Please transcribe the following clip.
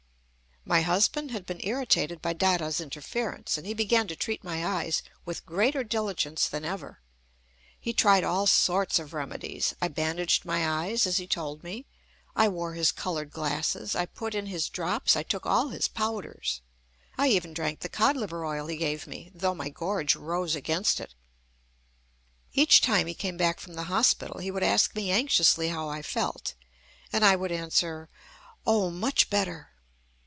My husband had been irritated by Dada's interference, and he began to treat my eyes with greater diligence than ever. He tried all sorts of remedies. I bandaged my eyes as he told me, I wore his coloured glasses, I put in his drops, I took all his powders. I even drank the cod liver oil he gave me, though my gorge rose against it. Each time he came back from the hospital, he would ask me anxiously how I felt; and I would answer: "Oh! much better."